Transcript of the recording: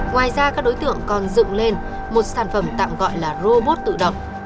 ngoài ra các đối tượng còn dựng lên một sản phẩm tạm gọi là robot tự động